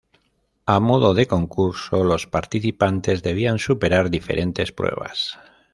A modo de concurso, los participantes debían superar diferentes pruebas.